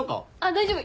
大丈夫。